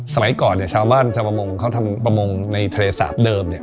สมัยก่อนเนี่ยชาวบ้านชาวประมงเขาทำประมงในทะเลสาปเดิม